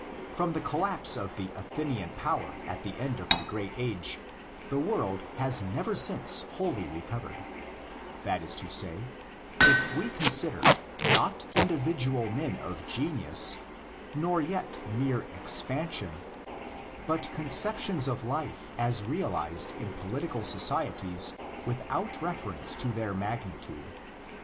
From the collapse of the Athenian power THE ANTI HELLENIC REACTION 37 at the end of the great age, the world has never since wholly recovered ; that is to say, if we consider, not individual men of genius nor yet mere expansion, but conceptions of life as realised in political societies without reference to their magnitude.